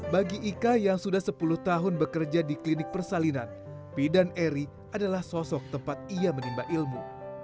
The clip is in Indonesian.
bagi ika yang sudah sepuluh tahun bekerja di klinik persalinan pidan eri adalah sosok tempat ia menimba ilmu